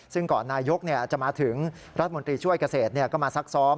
ซึ่งก่อนนายกจะมาถึงรัฐมนตรีช่วยเกษตรก็มาซักซ้อม